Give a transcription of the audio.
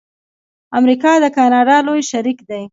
امریکا د کاناډا لوی شریک دی.